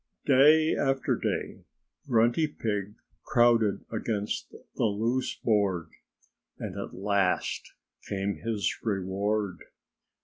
Day after day Grunty Pig crowded against the loose board. And at last came his reward.